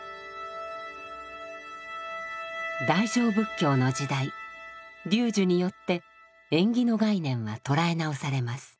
大乗仏教の時代龍樹によって縁起の概念は捉え直されます。